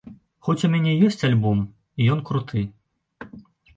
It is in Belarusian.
Хоць у мяне ёсць альбом, і ён круты.